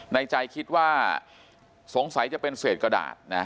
ในใจคิดว่าสงสัยจะเป็นเศษกระดาษนะ